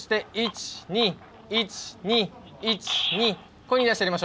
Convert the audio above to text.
１２１２１２。